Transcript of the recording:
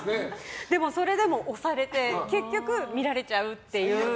それでも押されて結局見られちゃうっていう。